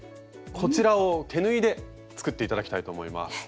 こちらを手縫いで作っていただきたいと思います。